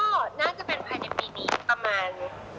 ก็น่าจะเป็นภายในปีนี้ประมาณ